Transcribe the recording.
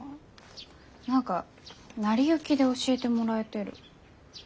何か成り行きで教えてもらえてる。